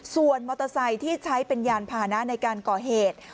ส่วนมอเตอร์ไซค์ที่ใช้เป็นยานพานะในการก่อเหตุ